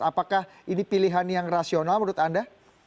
apakah ini pilihan yang rasional menurut anda